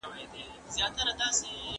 د ښار ساتنه د افغانانو په واک کې وه.